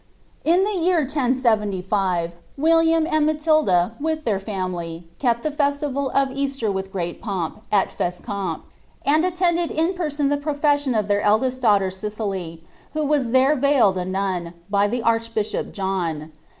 In the year 1075, William and Mnlilda, with their family, kept the festival of Easter with great pomp, at Fescanip, and attended in person the profession of their eldest daughter Cicely, who was there veiled ■ nun, by the archbishop John.'